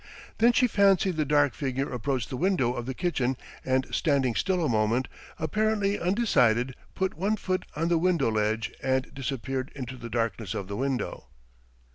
Then she fancied the dark figure approached the window of the kitchen and, standing still a moment, apparently undecided, put one foot on the window ledge and disappeared into the darkness of the window.